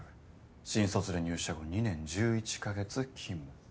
新卒で入社後２年１１カ月勤務。